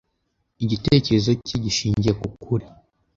Igitekerezo cye gishingiye ku kuri.